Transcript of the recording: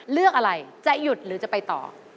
เลือกอะไรจะหยุดหรือจะไปต่อ